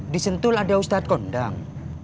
di sentul ada ustadz kondang